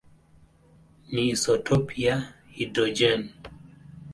ni isotopi ya hidrojeni.